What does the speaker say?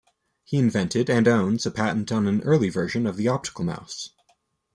He invented and owns a patent on an early version of the optical mouse.